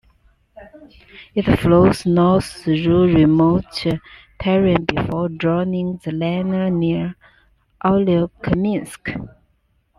It flows north through remote terrain before joining the Lena near Olyokminsk.